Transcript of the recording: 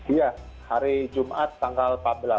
iya hari jumat tanggal empat belas